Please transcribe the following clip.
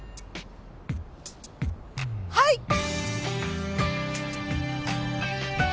はい。